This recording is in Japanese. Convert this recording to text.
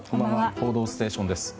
「報道ステーション」です。